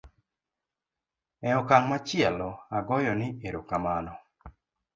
e okang' machielo agoyo ni erokamano